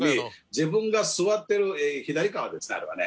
自分が座ってる左側あれはね。